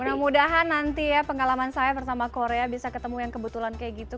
mudah mudahan nanti ya pengalaman saya pertama korea bisa ketemu yang kebetulan kayak gitu